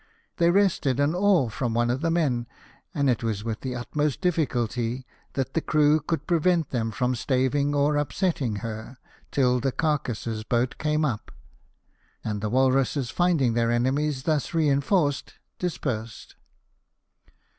They wrested an oar from one of the men ; and it was with the utmost difficulty that the EARLY ADVENTURES. 9 crew could prevent them from staving or upsetting her, till the Curcasss boat came up ; and the walruses, hnding their enemies thus reinforced, dis persed.